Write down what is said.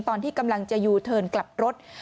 ตอนที่กำลังจะยูเทิร์นกลับรถ